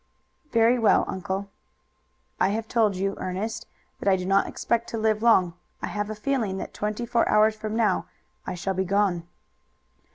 "Very well, uncle." "I have told you, Ernest, that I do not expect to live long. I have a feeling that twenty four hours from now I shall be gone."